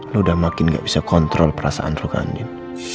lu udah makin gak bisa kontrol perasaan lu kak andien